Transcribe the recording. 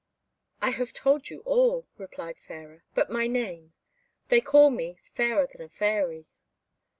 "I have told you all," replied Fairer, "but my name. They call me Fairer than a Fairy."